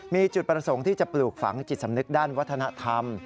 มีจุดประสงค์ที่จะปลูกฝังจิตสำนึกด้านวัฒนธรรม